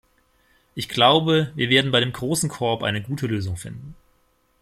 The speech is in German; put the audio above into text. Ich glaube, wir werden bei dem großen Korb eine gute Lösung finden.